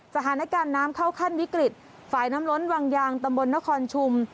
สถานการณ์น้ำเข้าขั้นวิกฤตฝ่ายน้ำล้นวังยางตำบลนครชุม